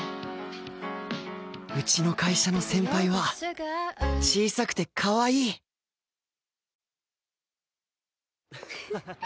うちの会社の先輩は小さくてかわいいハハハ！